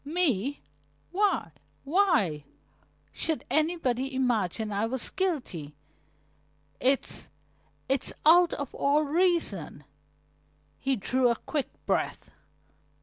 "Me? Why why should anybody imagine I was guilty? It's it's out of all reason." He drew a quick breath.